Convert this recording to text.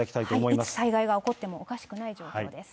いつ災害が起こってもおかしくない状況です。